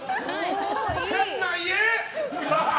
変な家！